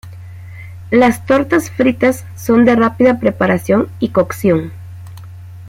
Las tortas fritas son de rápida preparación y cocción.